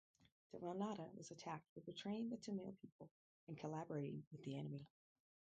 Devananda was attacked for betraying the Tamil people and collaborating with the enemy.